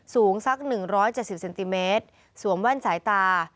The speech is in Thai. สูงสัก๑๗๐เซนติเมตรสวมแว่นสายตา